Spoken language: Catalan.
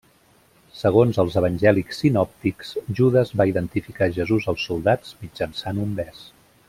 Segons els Evangelis sinòptics, Judes va identificar Jesús als soldats mitjançant un bes.